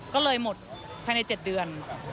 ก็เลยหมดภายใน๗เดือน